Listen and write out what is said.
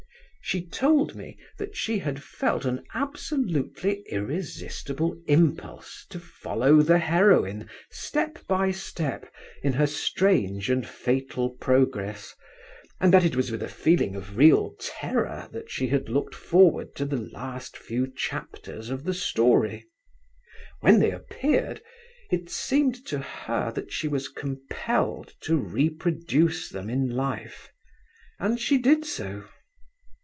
She told me that she had felt an absolutely irresistible impulse to follow the heroine step by step in her strange and fatal progress, and that it was with a feeling of real terror that she had looked forward to the last few chapters of the story. When they appeared, it seemed to her that she was compelled to reproduce them in life, and she did so.